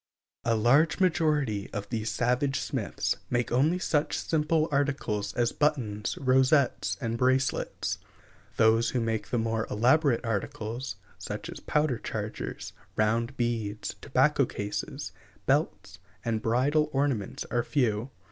A large majority of these savage smiths make only such simple articles as buttons, rosettes, and bracelets; those who make the more elaborate articles, such as powder chargers, round beads (Pl. XVI), tobacco cases, belts, and bridle ornaments are few.